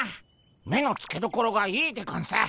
目のつけどころがいいでゴンス。